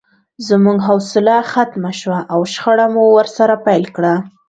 زموږ حوصله ختمه شوه او شخړه مو ورسره پیل کړه